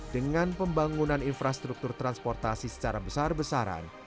dengan pembangunan infrastruktur transportasi secara besar besaran